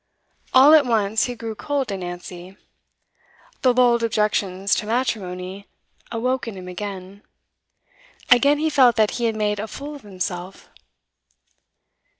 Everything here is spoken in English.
All at once he grew cold to Nancy. The lulled objections to matrimony awoke in him again; again he felt that he had made a fool of himself.